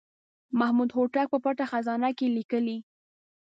محمد هوتک په پټه خزانه کې لیکلي.